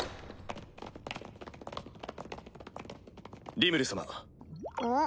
リムル様ん？